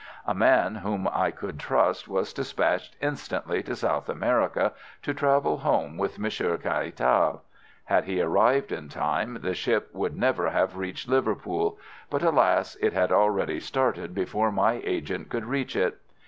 "A man whom I could trust was dispatched instantly to South America to travel home with Monsieur Caratal. Had he arrived in time the ship would never have reached Liverpool; but, alas! it had already started before my agent could reach it.